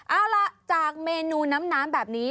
เอาล่ะจากเมนูน้ำแบบนี้